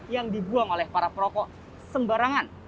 yang dibuang oleh para perokok sembarangan